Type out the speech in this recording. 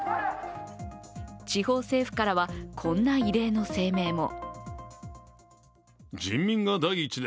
地方政府からはこんな異例の声明も。